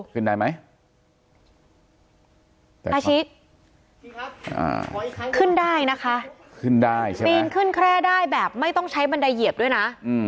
ขึ้นได้ไหมอาชิขึ้นได้นะคะขึ้นได้ใช่ไหมปีนขึ้นแคร่ได้แบบไม่ต้องใช้บันไดเหยียบด้วยนะ